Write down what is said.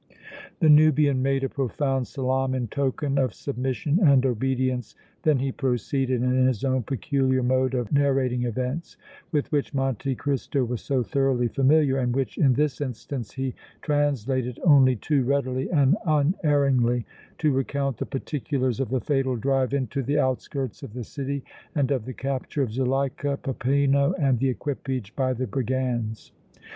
The Nubian made a profound salaam in token of submission and obedience. Then he proceeded, in his own peculiar mode of narrating events with which Monte Cristo was so thoroughly familiar and which in this instance he translated only too readily and unerringly, to recount the particulars of the fatal drive into the outskirts of the city and of the capture of Zuleika, Peppino and the equipage by the brigands.